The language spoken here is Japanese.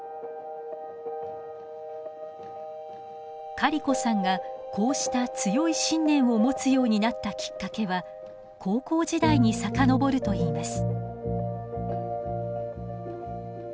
カリコさんがこうした強い信念を持つようになったきっかけは高校時代に遡るといいます。